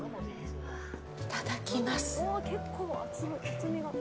いただきます。